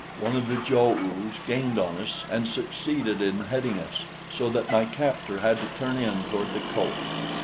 One of the jo oos gained on us and succeeded in heading us, so that my captor had to turn in toward the coast.